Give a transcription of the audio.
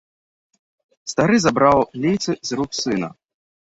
Стары забраў лейцы з рук сына.